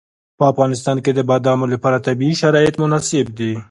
په افغانستان کې د بادامو لپاره طبیعي شرایط مناسب دي.